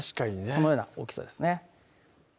このような大きさですね